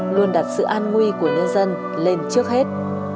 luôn đặt sự an nguy của nhân dân lên trước hết